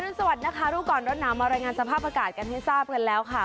สวัสดีนะคะรู้ก่อนร้อนหนาวมารายงานสภาพอากาศกันให้ทราบกันแล้วค่ะ